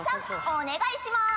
お願いします。